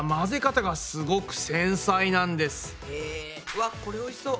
わっこれおいしそう。